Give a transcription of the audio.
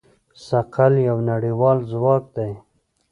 ثقل یو نړیوال ځواک دی.